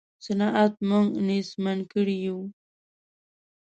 صنعت موږ نېستمن کړي یو.